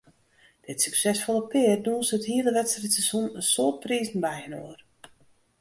Dit suksesfolle pear dûnse it hiele wedstriidseizoen in soad prizen byinoar.